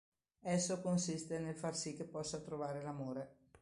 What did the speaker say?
Esso consiste nel far sì che possa trovare l'amore.